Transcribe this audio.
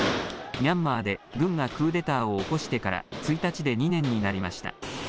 ミャンマーで軍がクーデターを起こしてから１日で２年になりました。